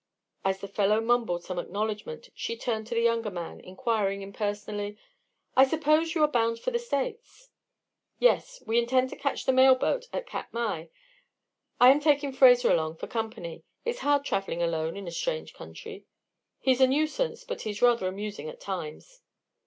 As the fellow mumbled some acknowledgment, she turned to the younger man, inquiring impersonally: "I suppose you are bound for the States?" "Yes; we intend to catch the mail boat at Katmai. I am taking Fraser along for company; it's hard travelling alone in a strange country. He's a nuisance, but he's rather amusing at times."